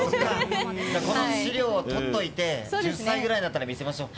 この資料を取っておいて１０歳くらいになったら見せましょう。